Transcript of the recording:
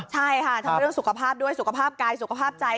ใช่ค่ะทั้งเรื่องสุขภาพด้วยสุขภาพกายสุขภาพใจ